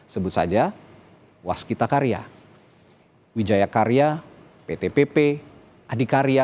sebut saja waskita karya wijaya karya pt pp adikarya